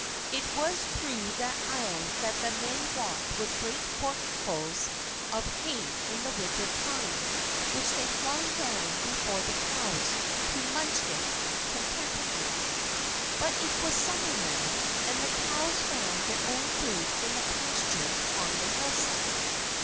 It was through that aisle that the men walked with great forkfuls of hay in the winter time, which they flung down before the cows, who munched it contentedly. But it was summer now. And the cows found their own food in the pasture on the hillside.